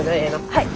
はい。